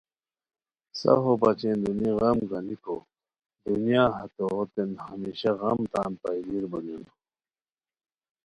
سفوبچین دونی غم گنیکو ،دنیا ہتوتین ہمیشہ غم تان پیدیر بونیان